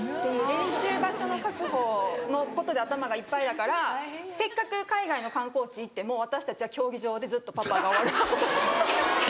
練習場所の確保のことで頭がいっぱいだからせっかく海外の観光地行っても私たちは競技場でずっとパパが終わるまで。